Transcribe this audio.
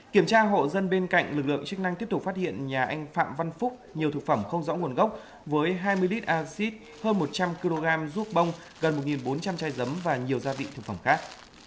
kiểm tra hộ dân bên cạnh lực lượng chức năng tiếp tục phát hiện nhà anh phạm văn phúc nhiều thực phẩm không rõ nguồn gốc với hai mươi lít acid hơn một trăm linh kg ruốc bông gần một bốn trăm linh chai dấm và nhiều gia vị thực phẩm khác